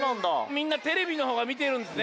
みんなテレビのほうがみてるんですね。